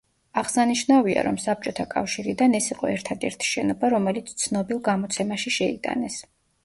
აღსანიშნავია რომ საბჭოთა კავშირიდან ეს იყო ერთადერთი შენობა, რომელიც ცნობილ გამოცემაში შეიტანეს.